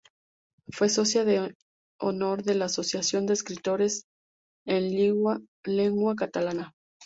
Fue socia de honor de la Asociación de Escritores en Lengua Catalana.